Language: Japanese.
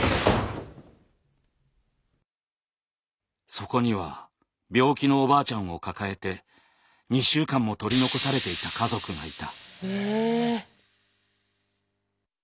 そこには病気のおばあちゃんを抱えて２週間も取り残されていた家族がいた。